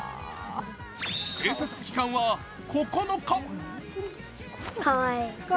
制作期間は９日。